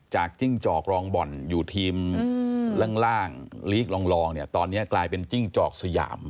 จิ้งจอกรองบ่อนอยู่ทีมล่างลีกลองเนี่ยตอนนี้กลายเป็นจิ้งจอกสยาม